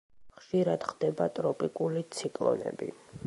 ხშირად ხდება ტროპიკული ციკლონები.